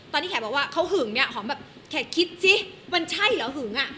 ตอนนี้แคบว่าเขาหึงแคบคิดสิมันใช่หรือเห่ง